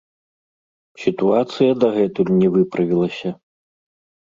Сітуацыя дагэтуль не выправілася.